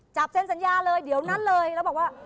จับเซ็นสัญญาเลยเดี๋ยวนั้นเลยแล้วบอกว่า